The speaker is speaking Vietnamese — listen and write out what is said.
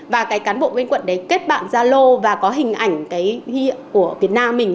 và cái cán bộ bên quận đấy kết bạn gia lô và có hình ảnh cái hiệu của việt nam mình